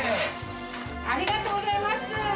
ありがとうございます。